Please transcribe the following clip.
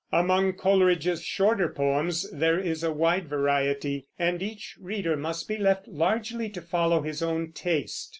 Among Coleridge's shorter poems there is a wide variety, and each reader must be left largely to follow his own taste.